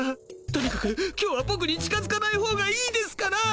とにかく今日はボクに近づかないほうがいいですから。